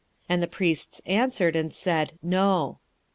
And the priests answered and said, No.